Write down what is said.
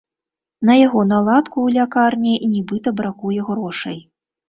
На яго наладку ў лякарні нібыта бракуе грошай.